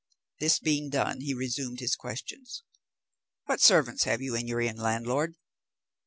This being done, he resumed his questions. "What servants have you in your inn, landlord?"